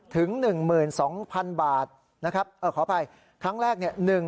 ถึง๑๒๐๐๐บาทนะครับขออภัยครั้งแรกเนี่ย